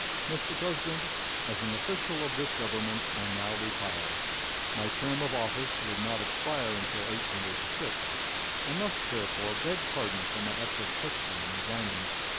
Mr. President, as an official of this Government I now retire. My term of office would not expire until 1886. I must, therefore, beg pardon for my eccentricity in resigning.